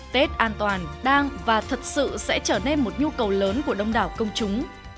tết an toàn đang và thật sự sẽ trở nên một nhu cầu lớn của đông đảo công chúng